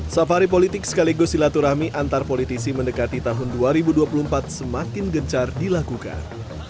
safari politik sekaligus silaturahmi antar politisi mendekati tahun dua ribu dua puluh empat semakin gencar dilakukan